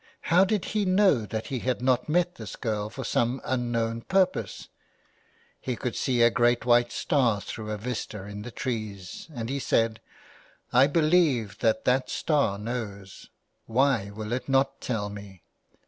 How did he know that he had not met this girl for some unknown purpose. He could see a great white star through a vista in the trees, and he said :" I believe that that star knows. Why will it not tell me